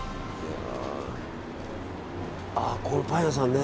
あ、パン屋さんね。